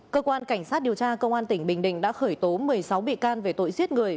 cơ quan cảnh sát điều tra công an tỉnh bình định đã khởi tố một mươi sáu bị can về tội giết người